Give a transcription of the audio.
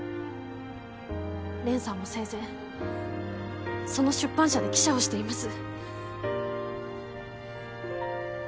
蓮さんも生前その出版社で記者をしています。